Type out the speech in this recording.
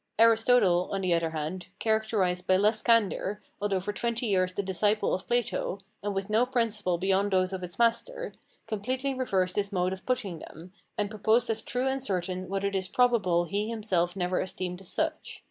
Aristotle, on the other hand, characterised by less candour, although for twenty years the disciple of Plato, and with no principles beyond those of his master, completely reversed his mode of putting them, and proposed as true and certain what it is probable he himself never esteemed as such.